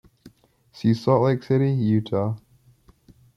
See Salt Lake City, Utah.